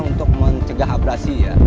untuk mencegah abrasi ya